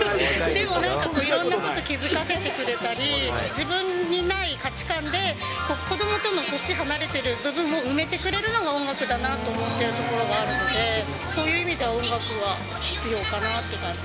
でもなんかいろんなことに気付かせてくれたり、自分にない価値観で子どもと歳離れてるのを埋めてくれるのが音楽だなと思っているところがあるので、そういう意味では音楽は必要かなとか。